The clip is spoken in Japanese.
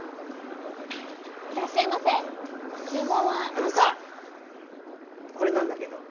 あのさこれなんだけど。